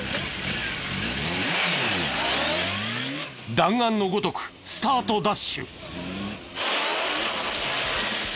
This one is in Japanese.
弾丸のごとくスタートダッシュ。